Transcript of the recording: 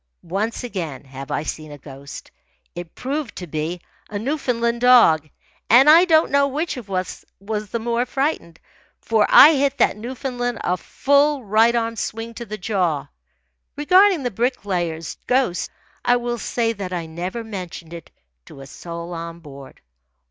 Once again have I seen a ghost. It proved to be a Newfoundland dog, and I don't know which of us was the more frightened, for I hit that Newfoundland a full right arm swing to the jaw. Regarding the Bricklayer's ghost, I will say that I never mentioned it to a soul on board.